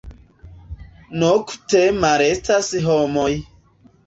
Nokte malestas homoj.